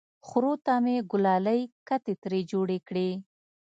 خرو ته مې ګلالۍ کتې ترې جوړې کړې!